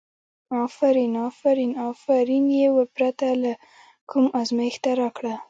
افرین افرین، افرین یې پرته له کوم ازمېښته راکړه.